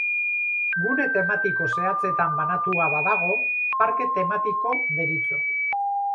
Gune tematiko zehatzetan banatua badago, parke tematiko deritzo.